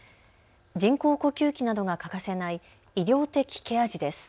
人工呼吸器などが欠かせない医療的ケア児です。